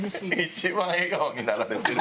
一番笑顔になられてる。